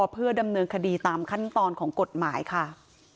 เพื่อดำเนินคดีตามขั้นตอนของกฎหมายค่ะ